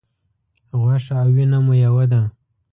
غوښه او وینه مو یوه ده.